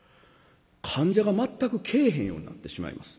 患者が全く来えへんようになってしまいます。